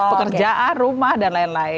pekerjaan rumah dan lain lain